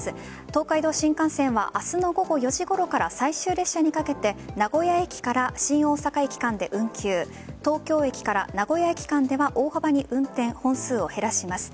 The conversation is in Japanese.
東海道新幹線は明日の午後４時ごろから最終列車にかけて名古屋駅から新大阪駅間で運休東京駅から名古屋駅間では大幅に運転本数を減らします。